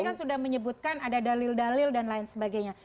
tadi kan sudah menyebutkan ada dalil dalil dan lain sebagainya